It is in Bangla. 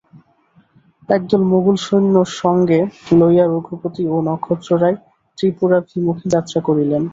একদল মোগল-সৈন্য সঙ্গে লইয়া রঘুপতি ও নক্ষত্ররায় ত্রিপুরাভিমুকে যাত্রা করিলেন।